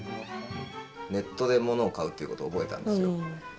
ネットで物を買うっていうことを覚えたんですよ。